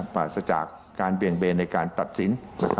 ปราศจากการเบี่ยงเบนในการตัดสิน